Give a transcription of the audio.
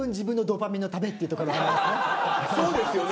そうですよね。